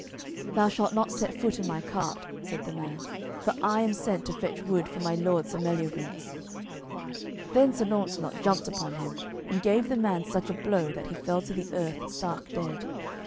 "Thou shalt not set foot in my cart," said the man, "for I am sent to fetch wood for my lord Sir Meliagrance." Then Sir Launcelot jumped upon him and gave the man such a blow that he fell to the earth stark dead.